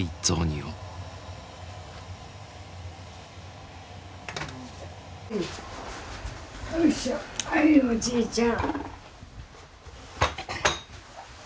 はいおじいちゃん。